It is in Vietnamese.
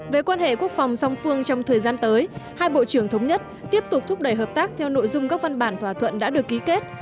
về quan hệ quốc phòng song phương trong thời gian tới hai bộ trưởng thống nhất tiếp tục thúc đẩy hợp tác theo nội dung các văn bản thỏa thuận đã được ký kết